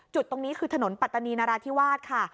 จุดตรงนี้คือถนนปัตตานีนราธิวาสค่ะ